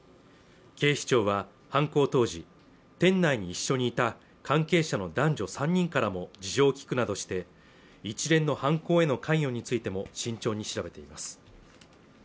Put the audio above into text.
警視庁は犯行当時店内に一緒にいた関係者の男女３人からも事情を聴くなどして一連の犯行への関与についても慎重に調べています